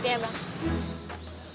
iya ya bang